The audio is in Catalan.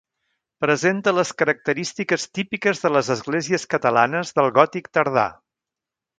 Presenta les característiques típiques de les esglésies catalanes del gòtic tardà.